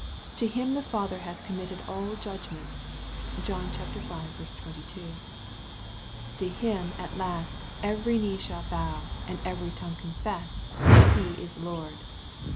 To Him the Father hath committed all judgment. (John v. 22.) To Him at last every knee shall bow, and every tongue confess that He is Lord.